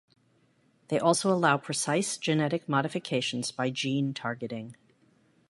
They also allow precise genetic modifications by gene targeting.